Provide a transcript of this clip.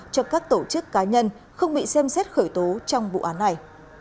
cho các tổ chức cá nhân không bị xem xét khởi tố trong vụ án này